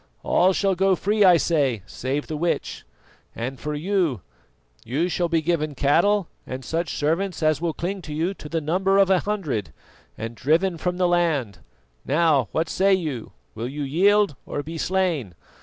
All shall go free, I say, save the witch; and for you, you shall be given cattle and such servants as will cling to you to the number of a hundred, and driven from the land. Now, what say you? Will you yield or be slain?